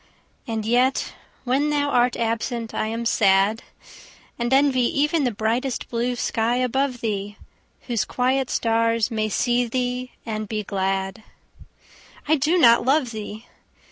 And yet when thou art absent I am sad; And envy even the bright blue sky above thee, Whose quiet stars may see thee and be glad. I do not love thee!